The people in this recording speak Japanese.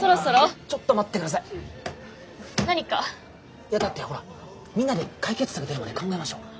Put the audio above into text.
いやだってほらみんなで解決策出るまで考えましょう。